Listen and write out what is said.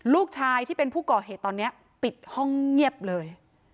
ลูกชายที่เป็นผู้ก่อเหตุตอนนี้ปิดห้องเงียบเลย